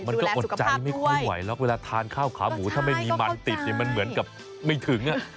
มันก็อดใจไม่ค่อยไหวหรอกเวลาทานข้าวขาหมูถ้าไม่มีมันติดมันเหมือนกับไม่ถึง